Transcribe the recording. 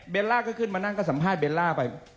ล่าก็ขึ้นมานั่งก็สัมภาษเบลล่าไป